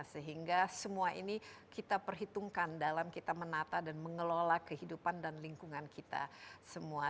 sehingga semua ini kita perhitungkan dalam kita menata dan mengelola kehidupan dan lingkungan kita semua